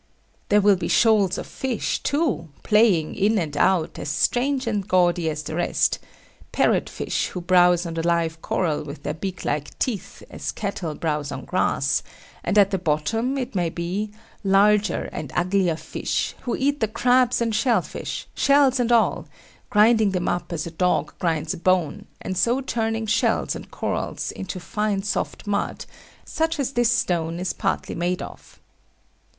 There will be shoals of fish, too, playing in and out, as strange and gaudy as the rest, parrot fish who browse on the live coral with their beak like teeth, as cattle browse on grass; and at the bottom, it may be, larger and uglier fish, who eat the crabs and shell fish, shells and all, grinding them up as a dog grinds a bone, and so turning shells and corals into fine soft mud, such as this stone is partly made of.